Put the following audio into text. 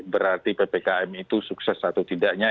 berarti ppkm itu sukses atau tidaknya